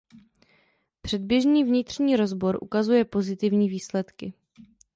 Předběžný vnitřní rozbor ukazuje pozitivní výsledky.